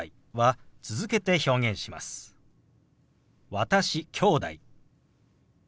「私」「きょうだい」。